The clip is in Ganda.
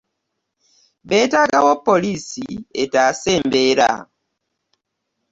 Beetagawo poliisi etaase embeera.